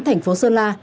thành phố sơn la